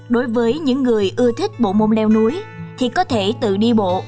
đối với những người ưa thích bộ môn leo núi thì có thể tự đi bộ